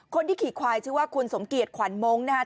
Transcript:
คนที่ขี่ควายชื่อว่าคุณสมเกียจขวัญมงค์นะครับ